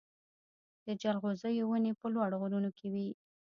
د جلغوزیو ونې په لوړو غرونو کې وي.